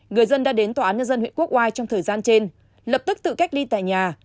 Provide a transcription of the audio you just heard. người dân đã đến tòa án nhân dân huyện quốc oai trong thời gian trên lập tức tự cách ly tại nhà